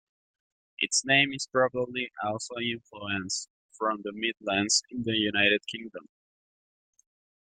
Its name is probably also influenced from the Midlands in the United Kingdom.